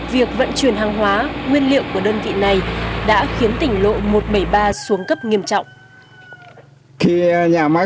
việc vận chuyển hàng hóa nguyên liệu của đơn vị